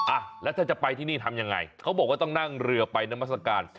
อ่ะแล้วถ้าจะไปที่นี่ทำยังไงเขาบอกว่าต้องนั่งเรือไปนามัศกาล